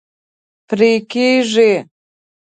پرې کیږي